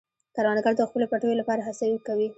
کروندګر د خپلو پټیو لپاره هڅه کوي